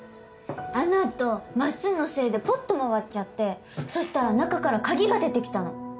あの後マッスンのせいでポットも割っちゃってそしたら中から鍵が出てきたの。